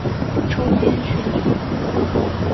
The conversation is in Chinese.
抽烟酗酒